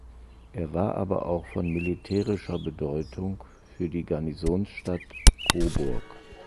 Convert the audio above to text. Er war aber auch von militärischer Bedeutung für die Garnisonstadt Coburg.